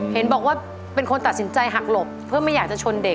เห็นบอกว่าเป็นคนตัดสินใจหักหลบเพื่อไม่อยากจะชนเด็ก